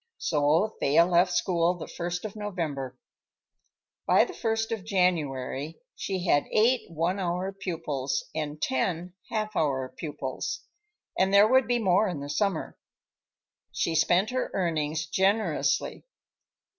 So Thea left school the first of November. By the first of January she had eight one hour pupils and ten half hour pupils, and there would be more in the summer. She spent her earnings generously.